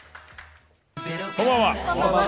こんばんは。